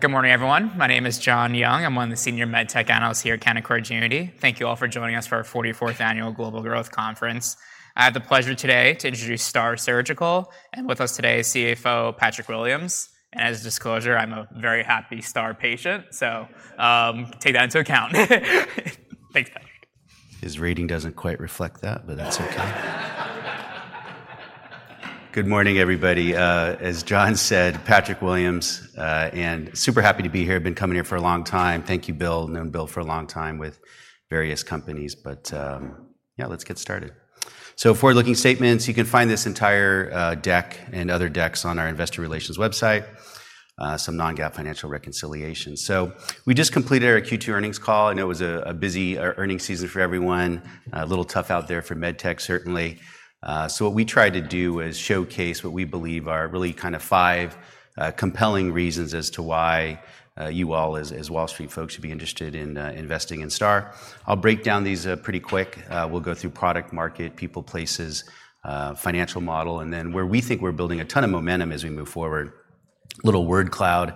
Good morning, everyone. My name is John Young. I'm one of the senior med tech analysts here at Canaccord Genuity. Thank you all for joining us for our 44th annual Global Growth Conference. I have the pleasure today to introduce STAAR Surgical, and with us today is CFO Patrick Williams. As a disclosure, I'm a very happy STAAR patient, so take that into account. Thanks, Patrick. His reading doesn't quite reflect that, but that's okay. Good morning, everybody. As John said, Patrick Williams, and super happy to be here. Been coming here for a long time. Thank you, Bill. Known Bill for a long time with various companies, but, yeah, let's get started. So forward-looking statements, you can find this entire deck and other decks on our investor relations website, some non-GAAP financial reconciliation. So we just completed our Q2 earnings call, and it was a busy earnings season for everyone. A little tough out there for med tech, certainly. So what we tried to do was showcase what we believe are really kind of five compelling reasons as to why you all as Wall Street folks should be interested in investing in STAAR. I'll break down these pretty quick. We'll go through product, market, people, places, financial model, and then where we think we're building a ton of momentum as we move forward. Little word cloud,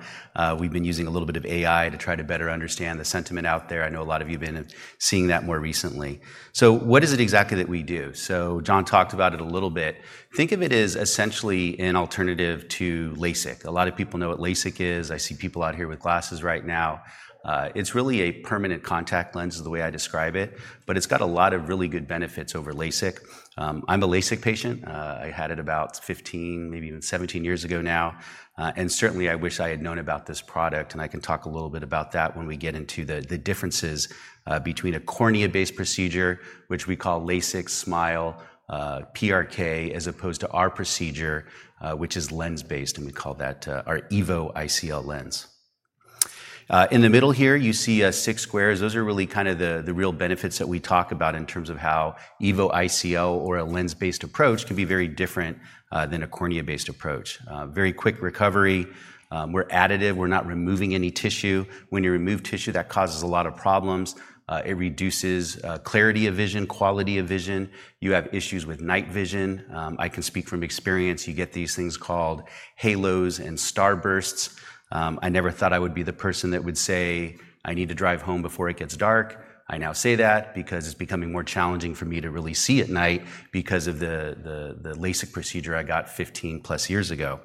we've been using a little bit of AI to try to better understand the sentiment out there. I know a lot of you've been seeing that more recently. So what is it exactly that we do? So John talked about it a little bit. Think of it as essentially an alternative to LASIK. A lot of people know what LASIK is. I see people out here with glasses right now. It's really a permanent contact lens is the way I describe it, but it's got a lot of really good benefits over LASIK. I'm a LASIK patient. I had it about 15, maybe even 17 years ago now, and certainly I wish I had known about this product, and I can talk a little bit about that when we get into the differences between a cornea-based procedure, which we call LASIK, SMILE, PRK, as opposed to our procedure, which is lens-based, and we call that our EVO ICL lens. In the middle here, you see six squares. Those are really kind of the real benefits that we talk about in terms of how EVO ICL or a lens-based approach can be very different than a cornea-based approach. Very quick recovery, we're additive, we're not removing any tissue. When you remove tissue, that causes a lot of problems. It reduces clarity of vision, quality of vision. You have issues with night vision. I can speak from experience. You get these things called halos and starbursts. I never thought I would be the person that would say, "I need to drive home before it gets dark." I now say that because it's becoming more challenging for me to really see at night because of the LASIK procedure I got 15+ years ago.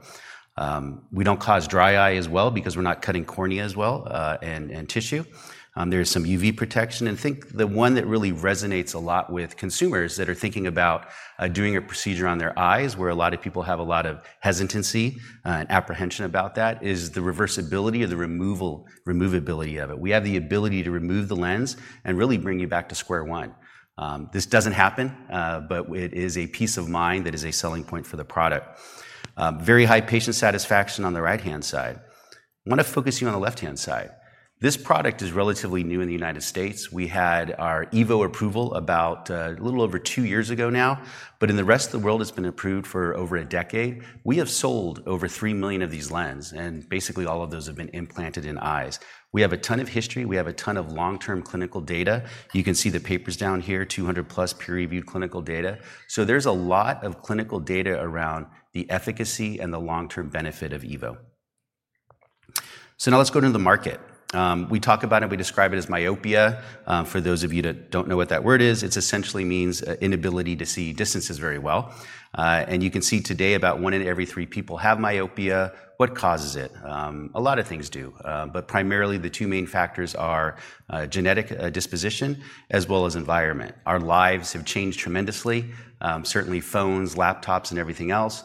We don't cause dry eye as well because we're not cutting cornea as well, and tissue. There is some UV protection, and I think the one that really resonates a lot with consumers that are thinking about doing a procedure on their eyes, where a lot of people have a lot of hesitancy and apprehension about that, is the reversibility or the removal, removability of it. We have the ability to remove the lens and really bring you back to square one. This doesn't happen, but it is a peace of mind that is a selling point for the product. Very high patient satisfaction on the right-hand side. I want to focus you on the left-hand side. This product is relatively new in the United States. We had our EVO approval about, a little over 2 years ago now, but in the rest of the world, it's been approved for over a decade. We have sold over 3 million of these lens, and basically, all of those have been implanted in eyes. We have a ton of history. We have a ton of long-term clinical data. You can see the papers down here, 200+ peer-reviewed clinical data. So there's a lot of clinical data around the efficacy and the long-term benefit of EVO. So now let's go to the market. We talk about it, we describe it as myopia. For those of you that don't know what that word is, it essentially means inability to see distances very well. And you can see today about one in every three people have myopia. What causes it? A lot of things do, but primarily the two main factors are genetic disposition, as well as environment. Our lives have changed tremendously, certainly phones, laptops, and everything else.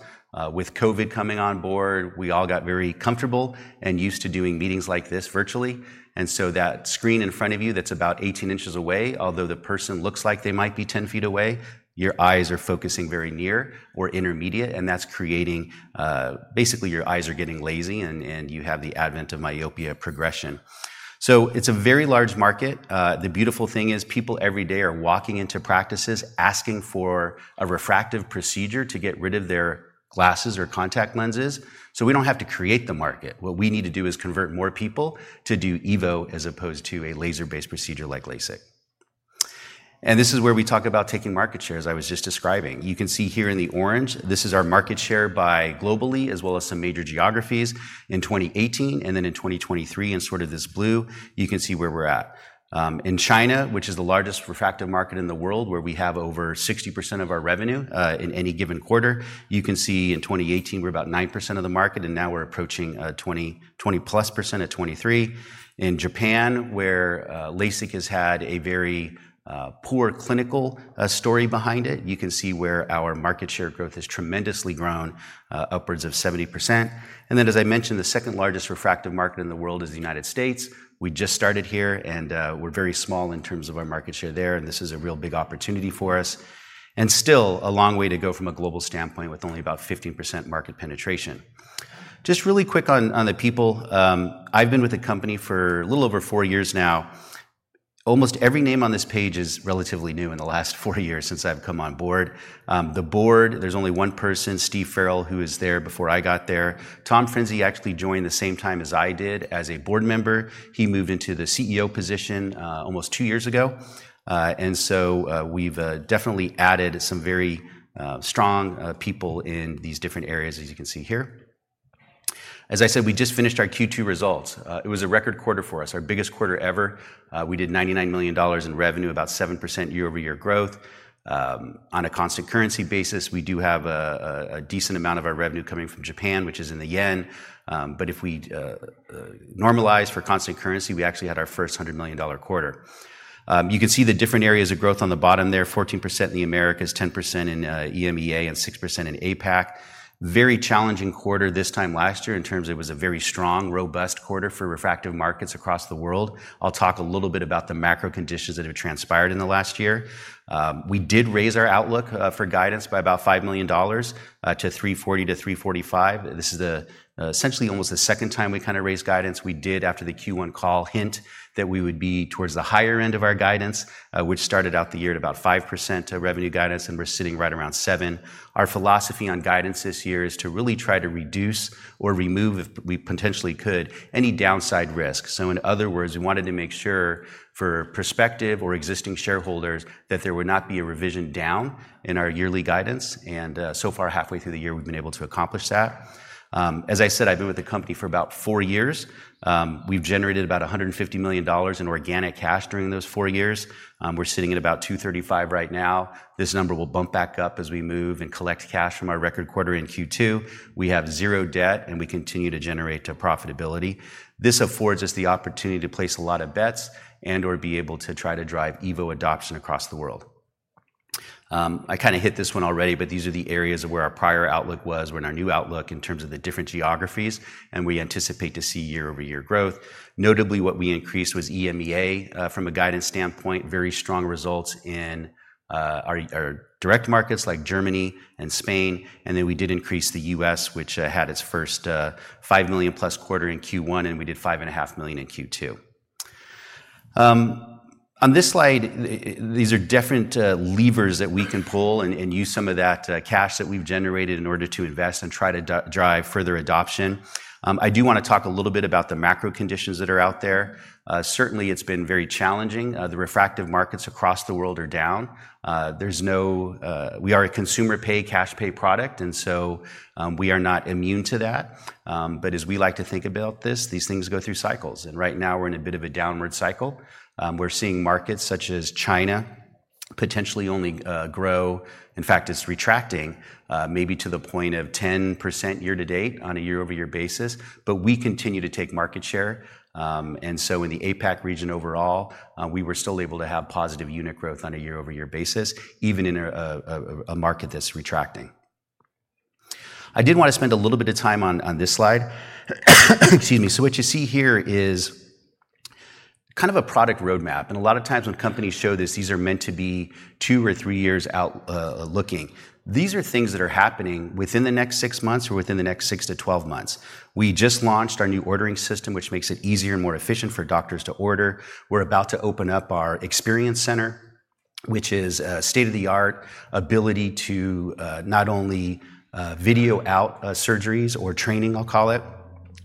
With COVID coming on board, we all got very comfortable and used to doing meetings like this virtually, and so that screen in front of you, that's about 18 inches away, although the person looks like they might be 10 feet away, your eyes are focusing very near or intermediate, and that's creating basically, your eyes are getting lazy, and you have the advent of myopia progression. So it's a very large market. The beautiful thing is, people every day are walking into practices asking for a refractive procedure to get rid of their glasses or contact lenses. So we don't have to create the market. What we need to do is convert more people to do EVO as opposed to a laser-based procedure like LASIK. And this is where we talk about taking market share, as I was just describing. You can see here in the orange, this is our market share by globally, as well as some major geographies in 2018, and then in 2023, in sort of this blue, you can see where we're at. In China, which is the largest refractive market in the world, where we have over 60% of our revenue, in any given quarter, you can see in 2018, we're about 9% of the market, and now we're approaching, 20, 20+% at 2023. In Japan, where LASIK has had a very poor clinical story behind it, you can see where our market share growth has tremendously grown, upwards of 70%. And then, as I mentioned, the second-largest refractive market in the world is the United States. We just started here, and, we're very small in terms of our market share there, and this is a real big opportunity for us, and still a long way to go from a global standpoint, with only about 15% market penetration. Just really quick on the people, I've been with the company for a little over four years now. Almost every name on this page is relatively new in the last four years since I've come on board. The board, there's only one person, Steve Farrell, who was there before I got there. Tom Frinzi actually joined the same time as I did as a board member. He moved into the CEO position, almost two years ago. And so, we've definitely added some very strong people in these different areas, as you can see here. As I said, we just finished our Q2 results. It was a record quarter for us, our biggest quarter ever. We did $99 million in revenue, about 7% year-over-year growth. On a constant currency basis, we do have a decent amount of our revenue coming from Japan, which is in the yen. But if we normalize for constant currency, we actually had our first $100 million quarter. You can see the different areas of growth on the bottom there, 14% in the Americas, 10% in EMEA, and 6% in APAC. Very challenging quarter this time last year in terms of it was a very strong, robust quarter for refractive markets across the world. I'll talk a little bit about the macro conditions that have transpired in the last year. We did raise our outlook for guidance by about $5 million to $340 million-$345 million. This is essentially almost the second time we kind of raised guidance. We did, after the Q1 call, hint that we would be towards the higher end of our guidance, which started out the year at about 5% revenue guidance, and we're sitting right around 7%. Our philosophy on guidance this year is to really try to reduce or remove, if we potentially could, any downside risk. So in other words, we wanted to make sure for prospective or existing shareholders that there would not be a revision down in our yearly guidance, and so far, halfway through the year, we've been able to accomplish that. As I said, I've been with the company for about 4 years. We've generated about $150 million in organic cash during those four years. We're sitting at about $235 million right now. This number will bump back up as we move and collect cash from our record quarter in Q2. We have zero debt, and we continue to generate profitability. This affords us the opportunity to place a lot of bets and/or be able to try to drive EVO adoption across the world. I kind of hit this one already, but these are the areas where our prior outlook was and our new outlook in terms of the different geographies, and we anticipate to see year-over-year growth. Notably, what we increased was EMEA from a guidance standpoint, very strong results in our direct markets like Germany and Spain, and then we did increase the U.S., which had its first $5 million+ quarter in Q1, and we did $5.5 million in Q2. On this slide, these are different levers that we can pull and use some of that cash that we've generated in order to invest and try to drive further adoption. I do want to talk a little bit about the macro conditions that are out there. Certainly, it's been very challenging. The refractive markets across the world are down. There's no... We are a consumer pay, cash pay product, and so we are not immune to that. But as we like to think about this, these things go through cycles, and right now we're in a bit of a downward cycle. We're seeing markets such as China potentially only grow. In fact, it's retracting, maybe to the point of 10% year-to-date on a year-over-year basis, but we continue to take market share. And so in the APAC region overall, we were still able to have positive unit growth on a year-over-year basis, even in a market that's retracting. I did want to spend a little bit of time on this slide. Excuse me. So what you see here is kind of a product roadmap, and a lot of times when companies show this, these are meant to be two or three years out, looking. These are things that are happening within the next six months or within the next six to 12 months. We just launched our new ordering system, which makes it easier and more efficient for doctors to order. We're about to open up our experience center, which is a state-of-the-art ability to not only video out surgeries or training, I'll call it,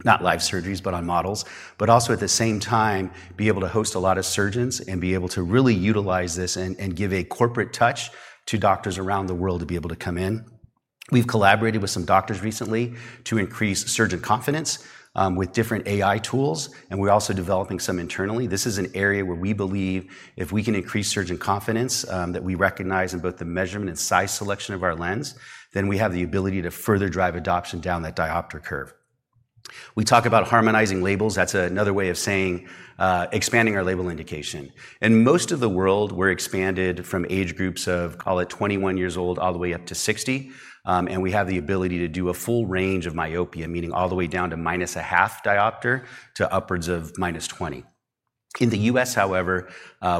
not live surgeries, but on models, but also, at the same time, be able to host a lot of surgeons and be able to really utilize this and give a corporate touch to doctors around the world to be able to come in. We've collaborated with some doctors recently to increase surgeon confidence with different AI tools, and we're also developing some internally. This is an area where we believe if we can increase surgeon confidence, that we recognize in both the measurement and size selection of our lens, then we have the ability to further drive adoption down that diopter curve. We talk about harmonizing labels. That's another way of saying, expanding our label indication. In most of the world, we're expanded from age groups of, call it 21 years old, all the way up to 60, and we have the ability to do a full-range of myopia, meaning all the way down to minus a half diopter to upwards of -20. In the U.S., however,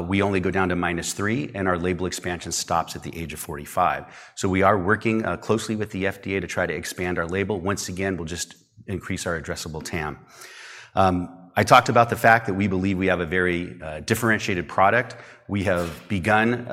we only go down to -3, and our label expansion stops at the age of 45. So we are working, closely with the FDA to try to expand our label. Once again, we'll just increase our addressable TAM. I talked about the fact that we believe we have a very differentiated product. We have begun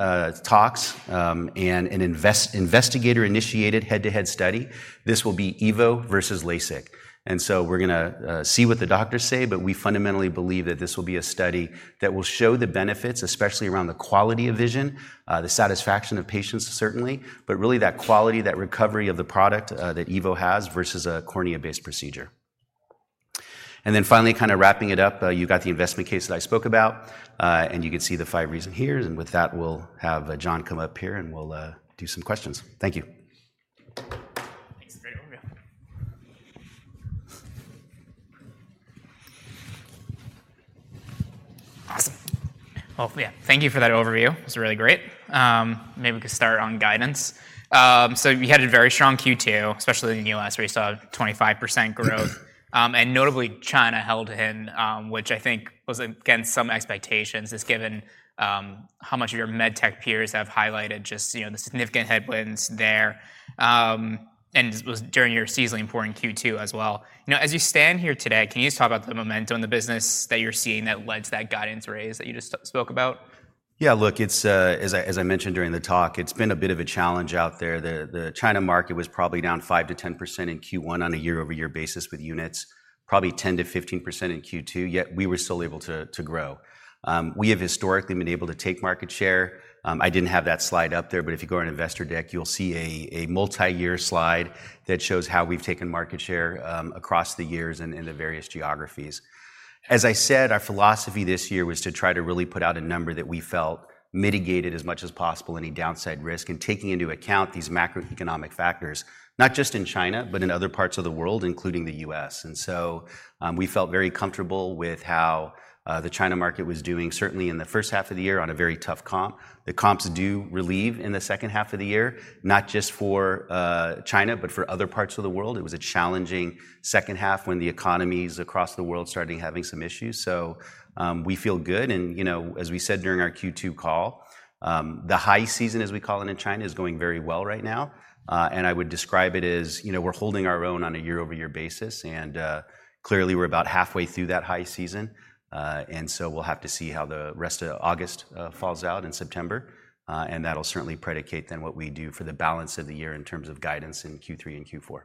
talks and an investigator-initiated head-to-head study. This will be EVO versus LASIK, and so we're gonna see what the doctors say, but we fundamentally believe that this will be a study that will show the benefits, especially around the quality of vision, the satisfaction of patients, certainly, but really that quality, that recovery of the product that EVO has versus a cornea-based procedure. And then finally, kind of wrapping it up, you've got the investment case that I spoke about, and you can see the five reason here, and with that, we'll have John come up here, and we'll do some questions. Thank you. Thanks. Great overview. Awesome. Well, yeah, thank you for that overview. It was really great. Maybe we could start on guidance. So you had a very strong Q2, especially in the U.S., where you saw 25% growth. And notably, China held in, which I think was against some expectations, just given how much of your med tech peers have highlighted just, you know, the significant headwinds there, and it was during your seasonally important Q2 as well. You know, as you stand here today, can you just talk about the momentum in the business that you're seeing that led to that guidance raise that you just spoke about?... Yeah, look, it's as I mentioned during the talk, it's been a bit of a challenge out there. The China market was probably down 5%-10% in Q1 on a year-over-year basis with units, probably 10%-15% in Q2, yet we were still able to grow. We have historically been able to take market share. I didn't have that slide up there, but if you go on investor deck, you'll see a multi-year slide that shows how we've taken market share across the years and in the various geographies. As I said, our philosophy this year was to try to really put out a number that we felt mitigated as much as possible, any downside risk, and taking into account these macroeconomic factors, not just in China, but in other parts of the world, including the U.S. And so, we felt very comfortable with how the China market was doing, certainly in the first half of the year, on a very tough comp. The comps do relieve in the second half of the year, not just for China, but for other parts of the world. It was a challenging second half when the economies across the world started having some issues. So, we feel good, and, you know, as we said during our Q2 call, the high-season, as we call it in China, is going very well right now. I would describe it as, you know, we're holding our own on a year-over-year basis, and clearly we're about halfway through that high-season. So we'll have to see how the rest of August falls out in September. And that'll certainly predicate then what we do for the balance of the year in terms of guidance in Q3 and Q4.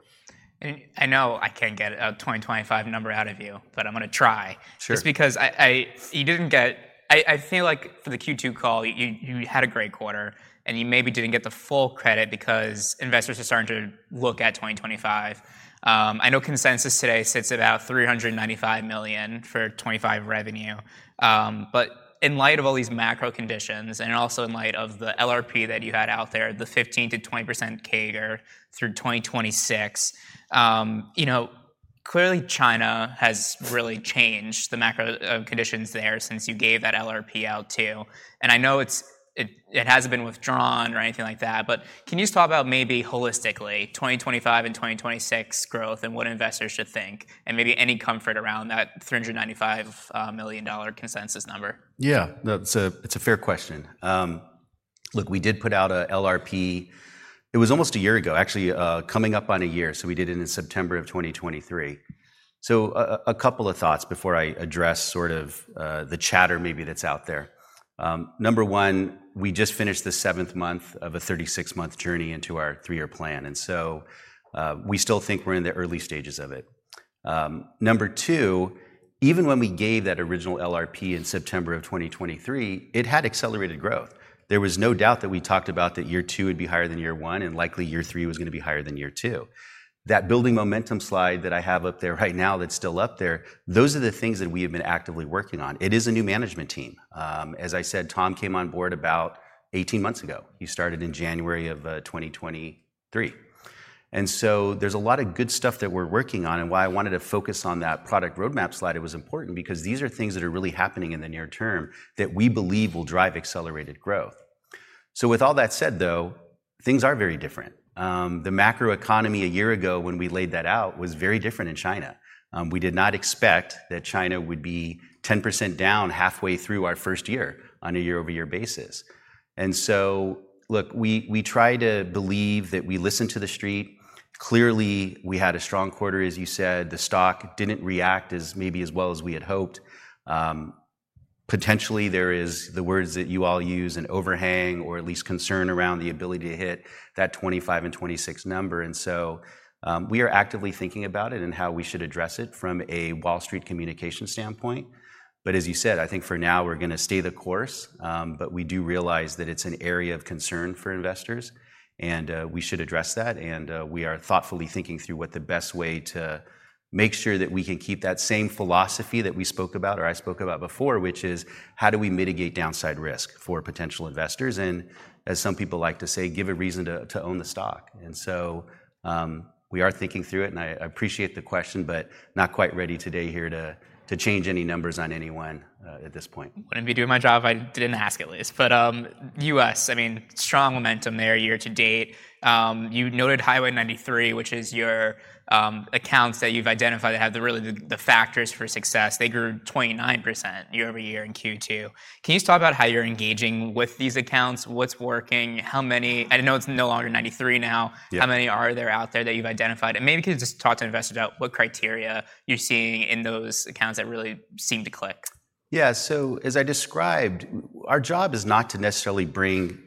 I know I can't get a 2025 number out of you, but I'm gonna try. Sure. Just because I feel like for the Q2 call, you had a great quarter, and you maybe didn't get the full credit because investors are starting to look at 2025. I know consensus today sits at about $395 million for 2025 revenue. But in light of all these macro conditions, and also in light of the LRP that you had out there, the 15%-20% CAGR through 2026, you know, clearly China has really changed the macro conditions there since you gave that LRP out, too. And I know it hasn't been withdrawn or anything like that, but can you just talk about maybe holistically, 2025 and 2026 growth and what investors should think, and maybe any comfort around that $395 million-dollar consensus number? Yeah, no, it's a fair question. Look, we did put out a LRP. It was almost a year ago, actually, coming up on a year, so we did it in September 2023. So, a couple of thoughts before I address sort of the chatter maybe that's out there. Number one, we just finished the seventh month of a 36-month journey into our three-year plan, and so, we still think we're in the early stages of it. Number two, even when we gave that original LRP in September 2023, it had accelerated growth. There was no doubt that we talked about that year two would be higher than year one, and likely year three was gonna be higher than year two. That building momentum slide that I have up there right now, that's still up there, those are the things that we have been actively working on. It is a new management team. As I said, Tom came on board about 18 months ago. He started in January of 2023. And so there's a lot of good stuff that we're working on, and why I wanted to focus on that product roadmap slide, it was important because these are things that are really happening in the near-term that we believe will drive accelerated growth. So with all that said, though, things are very different. The macro economy a year ago when we laid that out, was very different in China. We did not expect that China would be 10% down halfway through our first year on a year-over-year basis. Look, we try to believe that we listen to the Street. Clearly, we had a strong quarter, as you said, the stock didn't react as maybe as well as we had hoped. Potentially, there is the words that you all use, an overhang, or at least concern around the ability to hit that 25 and 26 number. We are actively thinking about it and how we should address it from a Wall Street communication standpoint. But as you said, I think for now, we're gonna stay the course. But we do realize that it's an area of concern for investors, and, we should address that. We are thoughtfully thinking through what the best way to make sure that we can keep that same philosophy that we spoke about or I spoke about before, which is: How do we mitigate downside risk for potential investors? As some people like to say, give a reason to own the stock. So, we are thinking through it, and I appreciate the question, but not quite ready today here to change any numbers on anyone at this point. I wouldn't be doing my job if I didn't ask, at least. But, U.S., I mean, strong momentum there year to date. You noted Highway 93, which is your accounts that you've identified that have the really, the factors for success. They grew 29% year-over-year in Q2. Can you just talk about how you're engaging with these accounts? What's working, how many-- and I know it's no longer 93 now. Yeah. How many are there out there that you've identified? Maybe you could just talk to investors about what criteria you're seeing in those accounts that really seem to click. Yeah. So as I described, our job is not to necessarily bring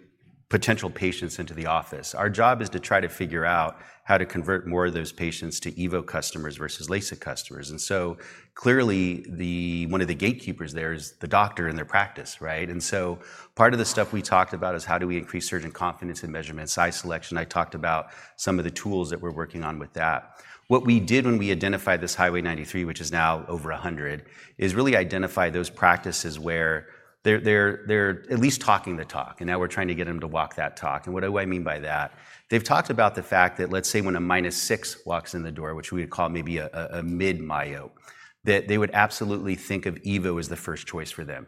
potential patients into the office. Our job is to try to figure out how to convert more of those patients to EVO customers versus LASIK customers. And so clearly, the one of the gatekeepers there is the doctor and their practice, right? And so part of the stuff we talked about is how do we increase surgeon confidence in measurement, size selection. I talked about some of the tools that we're working on with that. What we did when we identified this Highway 93, which is now over 100, is really identify those practices where they're at least talking the talk, and now we're trying to get them to walk that talk. And what do I mean by that? They've talked about the fact that, let's say, when a -6 walks in the door, which we would call maybe a mid-myope, that they would absolutely think of EVO as the first choice for them.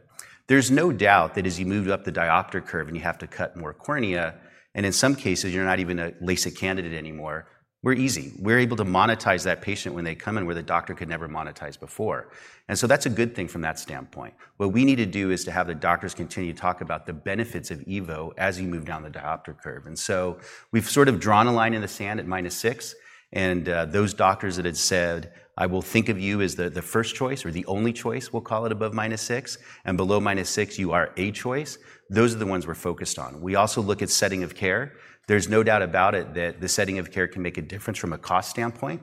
There's no doubt that as you move up the diopter curve and you have to cut more cornea, and in some cases, you're not even a LASIK candidate anymore, we're easy. We're able to monetize that patient when they come in, where the doctor could never monetize before. And so that's a good thing from that standpoint. What we need to do is to have the doctors continue to talk about the benefits of EVO as you move down the diopter curve. So we've sort of drawn a line in the sand at -6, and those doctors that had said, "I will think of you as the first choice or the only choice," we'll call it above -6, and below -6, you are a choice. Those are the ones we're focused on. We also look at setting of care. There's no doubt about it that the setting of care can make a difference from a cost standpoint.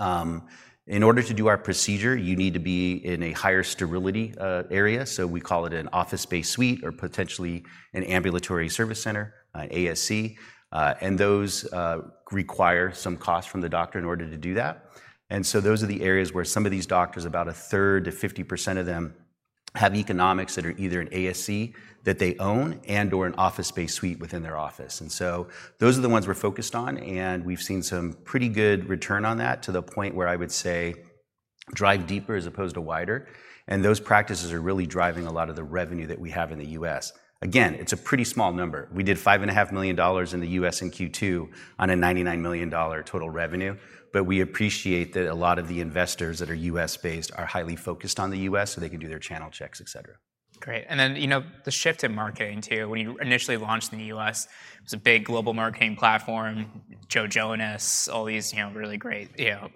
In order to do our procedure, you need to be in a higher sterility area, so we call it an office-based suite or potentially an ambulatory surgery center, an ASC. And those require some cost from the doctor in order to do that. And so those are the areas where some of these doctors, about a third to 50% of them, have economics that are either an ASC that they own and/or an office-based suite within their office. And so those are the ones we're focused on, and we've seen some pretty good return on that, to the point where I would say drive deeper as opposed to wider. And those practices are really driving a lot of the revenue that we have in the U.S. Again, it's a pretty small number. We did $5.5 million in the U.S. in Q2 on a $99 million total revenue. But we appreciate that a lot of the investors that are US-based are highly focused on the U.S., so they can do their channel checks, et cetera. Great, and then, you know, the shift in marketing, too. When you initially launched in the U.S., it was a big global marketing platform, Joe Jonas, all these, you know, really great, you know,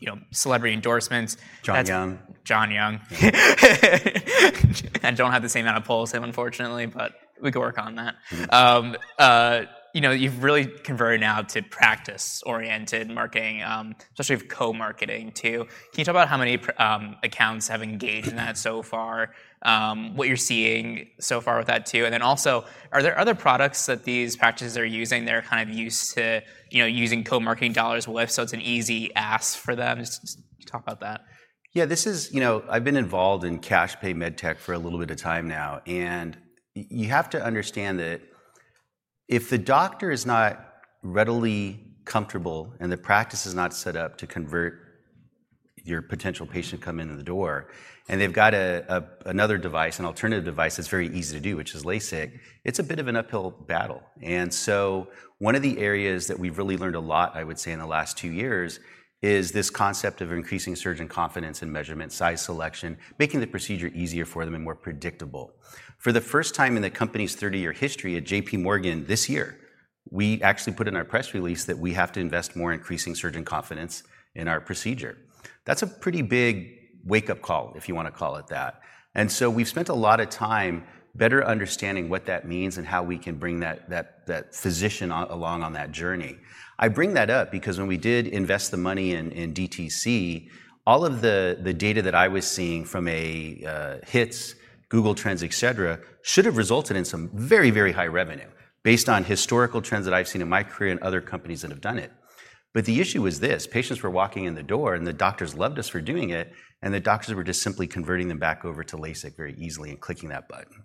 you know, celebrity endorsements. John Young. John Young. I don't have the same amount of pull as him, unfortunately, but we can work on that. Mm. You know, you've really converted now to practice-oriented marketing, especially with co-marketing, too. Can you talk about how many accounts have engaged in that so far? What you're seeing so far with that, too, and then also, are there other products that these practices are using that are kind of used to, you know, using co-marketing dollars with, so it's an easy ask for them? Just talk about that. Yeah, you know, I've been involved in cash pay med tech for a little bit of time now, and you have to understand that if the doctor is not readily comfortable, and the practice is not set up to convert your potential patient coming in the door, and they've got another device, an alternative device that's very easy to do, which is LASIK, it's a bit of an uphill battle. So one of the areas that we've really learned a lot, I would say, in the last two years is this concept of increasing surgeon confidence in measurement, size selection, making the procedure easier for them and more predictable. For the first time in the company's 30-year history, at JPMorgan this year, we actually put in our press release that we have to invest more in increasing surgeon confidence in our procedure. That's a pretty big wake-up call, if you want to call it that. So we've spent a lot of time better understanding what that means and how we can bring that physician along on that journey. I bring that up because when we did invest the money in DTC, all of the data that I was seeing from a hits, Google Trends, et cetera, should have resulted in some very, very high revenue based on historical trends that I've seen in my career and other companies that have done it. But the issue was this: patients were walking in the door, and the doctors loved us for doing it, and the doctors were just simply converting them back over to LASIK very easily and clicking that button.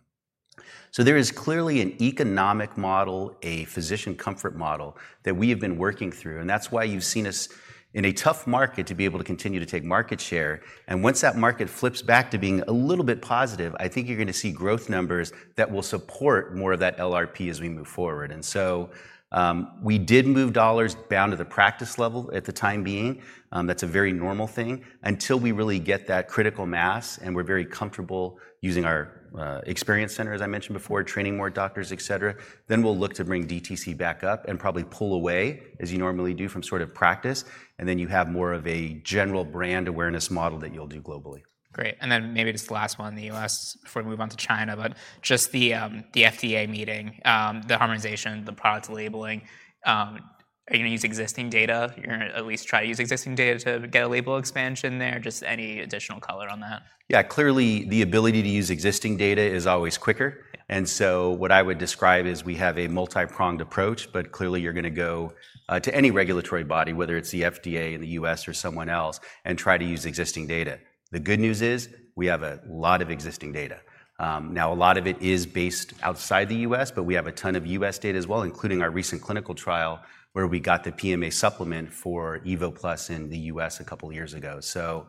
So there is clearly an economic model, a physician comfort model, that we have been working through, and that's why you've seen us in a tough market to be able to continue to take market share. And once that market flips back to being a little bit positive, I think you're going to see growth numbers that will support more of that LRP as we move forward. And so, we did move dollars down to the practice level at the time being. That's a very normal thing until we really get that critical mass, and we're very comfortable using our experience center, as I mentioned before, training more doctors, et cetera. Then we'll look to bring DTC back up and probably pull away, as you normally do, from sort of practice, and then you have more of a general brand awareness model that you'll do globally. Great, and then maybe just the last one in the U.S. before we move on to China, but just the, the FDA meeting, the harmonization, the product labeling, are you gonna use existing data? You're gonna at least try to use existing data to get a label expansion there? Just any additional color on that. Yeah, clearly, the ability to use existing data is always quicker. Yeah. And so what I would describe is we have a multi-pronged approach, but clearly, you're gonna go to any regulatory body, whether it's the FDA in the U.S. or someone else, and try to use existing data. The good news is we have a lot of existing data. Now, a lot of it is based outside the U.S., but we have a ton of U.S. data as well, including our recent clinical trial, where we got the PMA supplement for EVO Plus in the U.S. a couple of years ago. So,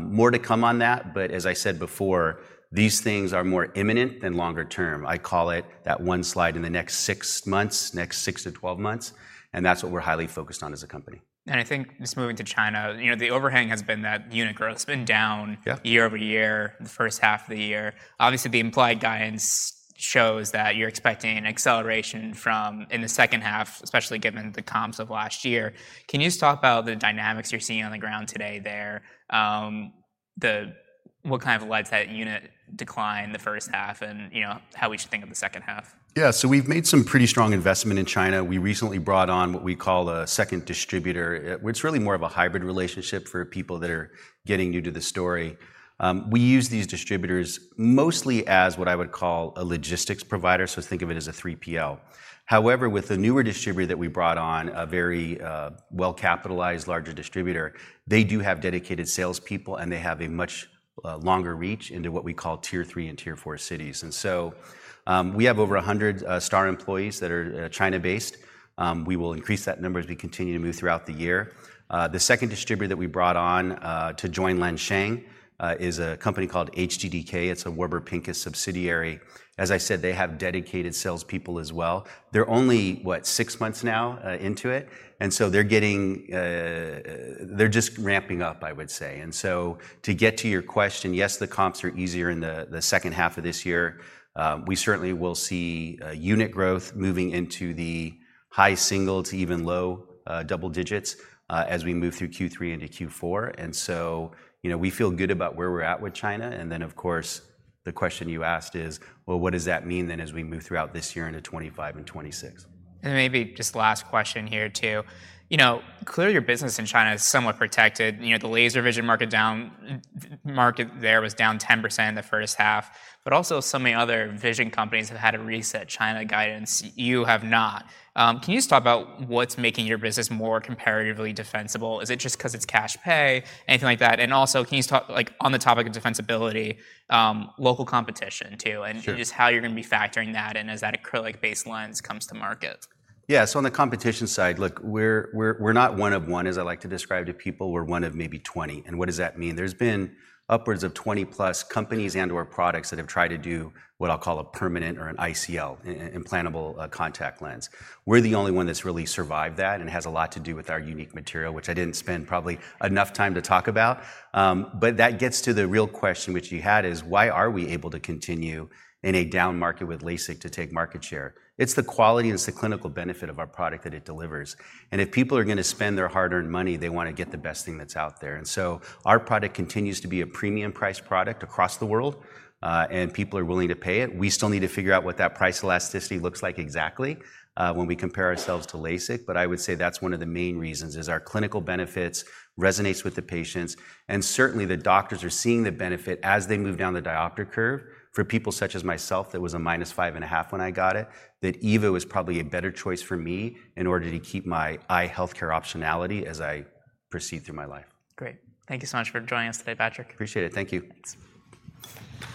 more to come on that, but as I said before, these things are more imminent than longer term. I call it that one slide in the next six months, next six to twelve months, and that's what we're highly focused on as a company. I think just moving to China, you know, the overhang has been that unit growth's been down- Yeah... year-over-year, the first half of the year. Obviously, the implied guidance shows that you're expecting an acceleration from in the second half, especially given the comps of last year. Can you just talk about the dynamics you're seeing on the ground today there? What kind of led to that unit decline the first half and, you know, how we should think of the second half? Yeah. So we've made some pretty strong investment in China. We recently brought on what we call a second distributor. Well, it's really more of a hybrid relationship for people that are getting new to the story. We use these distributors mostly as what I would call a logistics provider, so think of it as a 3PL. However, with the newer distributor that we brought on, a very, well-capitalized, larger distributor, they do have dedicated salespeople, and they have a much, longer reach into what we call Tier 3 and Tier 4 cities. And so, we have over 100, STAAR employees that are, China-based. We will increase that number as we continue to move throughout the year. The second distributor that we brought on, to join Lansheng, is a company called HTDK. It's a Warburg Pincus subsidiary. As I said, they have dedicated salespeople as well. They're only, what, six months now, into it, and so they're getting, they're just ramping up, I would say. And so to get to your question, yes, the comps are easier in the, the second half of this year. We certainly will see, unit growth moving into the high single to even low, double-digits, as we move through Q3 into Q4. And so, you know, we feel good about where we're at with China, and then, of course, the question you asked is, well, what does that mean then as we move throughout this year into 2025 and 2026? Maybe just last question here, too. You know, clearly, your business in China is somewhat protected. You know, the laser vision market down, market there was down 10% in the first half, but also, so many other vision companies have had to reset China guidance. You have not. Can you just talk about what's making your business more comparatively defensible? Is it just because it's cash-pay, anything like that? And also, can you talk, like, on the topic of defensibility, local competition, too? Sure... and just how you're gonna be factoring that in as that acrylic-based lens comes to market? Yeah. So on the competition side, look, we're not one of one, as I like to describe to people. We're one of maybe 20. And what does that mean? There's been upwards of 20+ companies and/or products that have tried to do what I'll call a permanent or an ICL, implantable contact lens. We're the only one that's really survived that and has a lot to do with our unique material, which I didn't spend probably enough time to talk about. But that gets to the real question which you had is: Why are we able to continue in a down market with LASIK to take market share? It's the quality and it's the clinical benefit of our product that it delivers, and if people are gonna spend their hard-earned money, they want to get the best thing that's out there. So our product continues to be a premium price product across the world, and people are willing to pay it. We still need to figure out what that price elasticity looks like exactly, when we compare ourselves to LASIK. But I would say that's one of the main reasons, is our clinical benefits resonates with the patients, and certainly, the doctors are seeing the benefit as they move down the diopter curve. For people such as myself, that was a -5.5 when I got it, that EVO was probably a better choice for me in order to keep my eye healthcare optionality as I proceed through my life. Great. Thank you so much for joining us today, Patrick. Appreciate it. Thank you. Thanks.